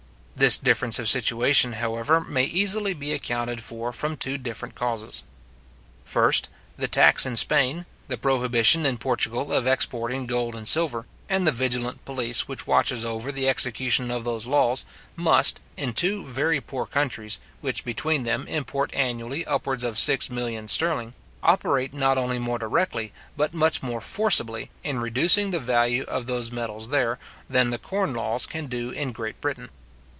This difference of situation, however, may easily be accounted for from two different causes. First, the tax in Spain, the prohibition in Portugal of exporting gold and silver, and the vigilant police which watches over the execution of those laws, must, in two very poor countries, which between them import annually upwards of six millions sterling, operate not only more directly, but much more forcibly, in reducing the value of those metals there, than the corn laws can do in Great Britain.